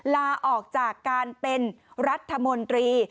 ลาออกจากการเป็นรัฐมนตรี